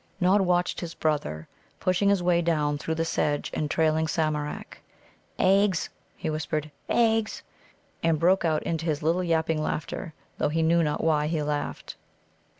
Nod watched his brother pushing his way down through the sedge and trailing Samarak. "Eggs," he whispered "eggs!" and broke out into his little yapping laughter, though he knew not why he laughed.